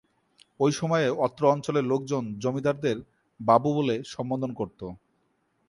ঐ সময়ে অত্র অঞ্চলের লোকজন জমিদারদের বাবু বলে সম্বোধন করত।